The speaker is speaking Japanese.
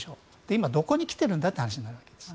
今、どこに来てるんだという話になるわけです。